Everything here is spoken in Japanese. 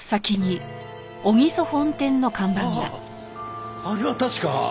あああれは確か。